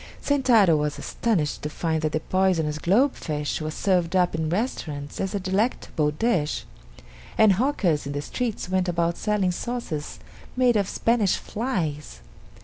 Sentaro was astonished to find that the poisonous globe fish was served up in restaurants as a delectable dish, and hawkers in the streets went about selling sauces made of Spanish flies.